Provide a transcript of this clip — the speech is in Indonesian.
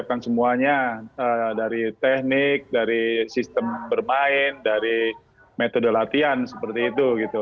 kita akan semuanya dari teknik dari sistem bermain dari metode latihan seperti itu gitu